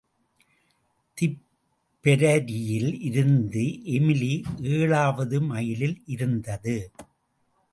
திப்பெரரியில் இருந்து எமிலி ஏழாவது மைலில் இருந்தது.